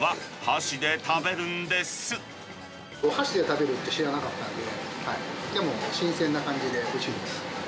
お箸で食べるって知らなかったので、でも新鮮な感じで、おいしいです。